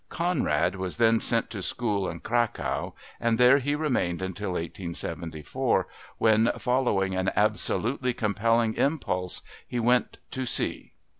Conrad was then sent to school in Cracow and there he remained until 1874, when, following an absolutely compelling impulse, he went to sea.